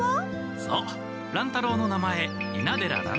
そう乱太郎の名前猪名寺乱